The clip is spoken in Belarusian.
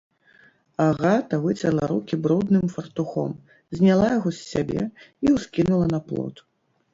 Агата выцерла рукі брудным фартухом, зняла яго з сябе і ўскінула на плот.